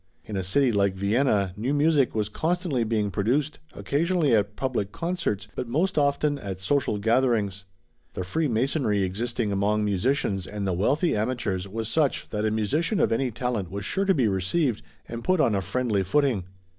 In a city like Vienna new music was constantly being produced, occasionally at public concerts, but most often at social gatherings. The freemasonry existing among musicians and the wealthy amateurs was such that a musician of any talent was sure to be received, and put on a friendly footing.